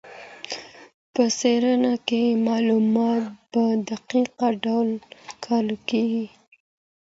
په څېړنه کي معلومات په دقیق ډول کاریږي.